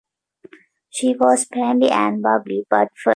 She was friendly and bubbly, but firm.